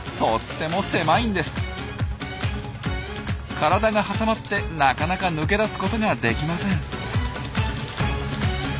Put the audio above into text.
体が挟まってなかなか抜け出すことができません。